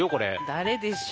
誰でしょう？